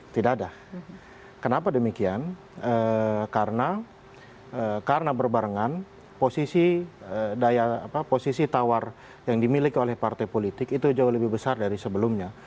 tidak ada kenapa demikian karena berbarengan posisi tawar yang dimiliki oleh partai politik itu jauh lebih besar dari sebelumnya